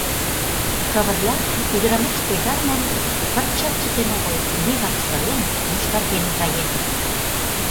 Кавырля ӱдырамаш койдарымым пырчат чытен огыл, вигак сырен, йошкарген каен.